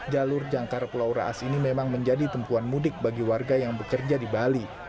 jalur jangkar pulau raas ini memang menjadi tempuan mudik bagi warga yang bekerja di bali